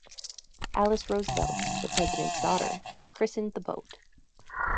Alice Roosevelt, the president's daughter, christened the boat.